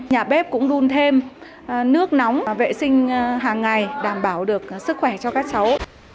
nhà bếp cũng đun thêm nước nóng vệ sinh hàng ngày đảm bảo được sức khỏe cho các cháu